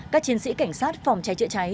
các chiến sĩ cảnh sát phòng trái trợ trái